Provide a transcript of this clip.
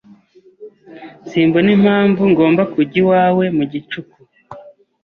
Simbona impamvu ngomba kujya iwawe mu gicuku.